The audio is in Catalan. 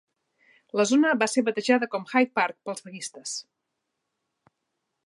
La zona va ser batejada com "Hyde Park" pels vaguistes.